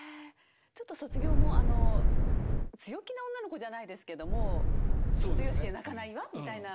ちょっと「卒業」も強気な女の子じゃないですけども「卒業式で泣かないわ」みたいなこう。